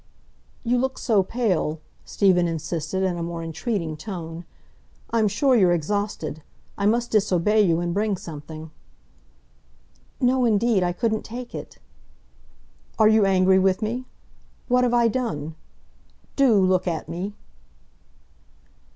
"You look so pale," Stephen insisted, in a more entreating tone. "I'm sure you're exhausted. I must disobey you, and bring something." "No, indeed, I couldn't take it." "Are you angry with me? What have I done? Do look at me."